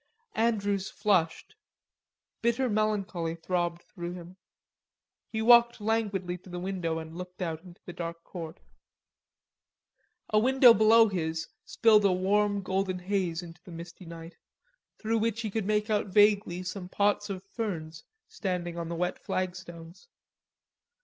Andrews flushed. Bitter melancholy throbbed through him. He walked languidly to the window and looked out into the dark court. A window below his spilled a warm golden haze into the misty night, through which he could make out vaguely some pots of ferns standing on the wet flagstones.